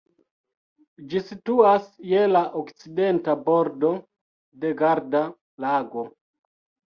Ĝi situas je la okcidenta bordo de Garda-Lago.